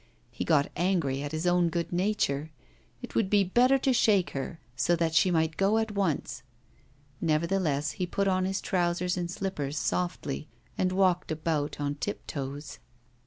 He got angry at his own good nature; it would be better to shake her, so that she might go at once. Nevertheless he put on his trousers and slippers softly, and walked about on tiptoes.